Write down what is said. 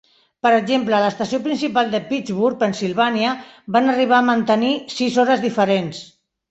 Per exemple, a l'estació principal de Pittsburgh, Pennsilvània, van arribar mantenir sis hores diferents.